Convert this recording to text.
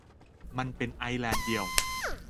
มันเป็นไอร์แลนด์เดียว